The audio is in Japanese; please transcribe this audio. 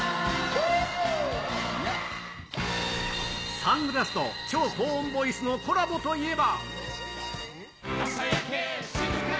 サングラスと超高音ボイスのコラボといえば。